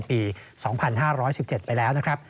ปี๒๕๑๗ไปแล้วนะครับ